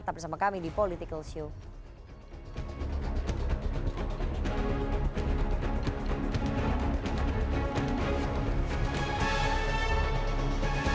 tetap bersama kami di politikalshow